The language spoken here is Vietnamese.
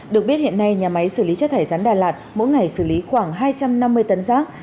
được biết hiện nay nhà máy xử lý chất thải rắn đà lạt mỗi ngày xử lý khoảng hai trăm năm mươi tấn rác